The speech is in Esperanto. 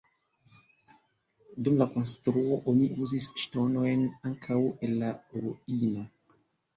Dum la konstruo oni uzis ŝtonojn ankaŭ el la ruino.